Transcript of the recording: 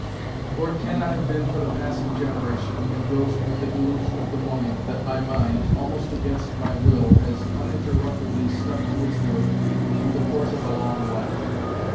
For it cannot have been for the passing generation, engrossed with the delusion of the moment, that my mind, almost against my will, has uninterruptedly stuck to its work through the course of a long life.